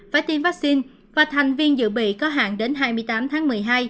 phải tiêm vaccine và thành viên dự bị có hạn đến hai mươi tám tháng một mươi hai